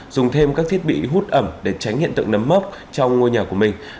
dùng thêm các thiết bị hút ẩm để tránh hiện tượng nấm mốc trong ngôi nhà của mình